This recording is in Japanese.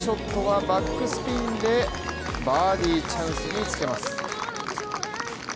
パー３のティーショットはバックスピンでバーディーチャンスにつけます。